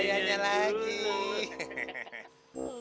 ada biayanya lagi